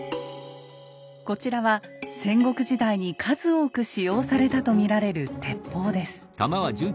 こちらは戦国時代に数多く使用されたと見られる鉄砲です。